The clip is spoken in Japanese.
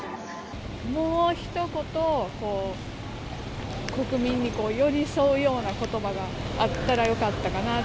もうひと言、国民に寄り添うようなことばがあったらよかったかなって。